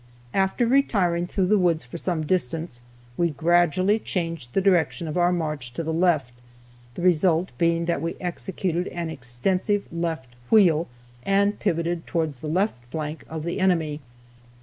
After retiring through the woods for some distance, we gradually changed the direction of our march to the left, the result being that we executed an extensive left wheel, and pivoted towards the left flank of the enemy.